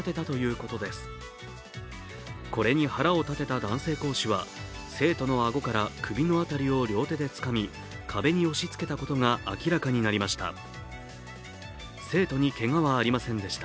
これに腹を立てた男性講師は生徒のあごから首の辺りを両手でつかみ壁に押しつけたことが明らかになりました。